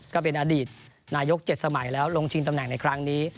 ก็เป็นอดีตนายก๗สมัยแล้วลงชิงตำแหน่งในครั้งนี้